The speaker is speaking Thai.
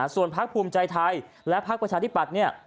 ส่วนภักร์ภูมิใจไทยและภักร์ประชาธิบัตรเนี่ย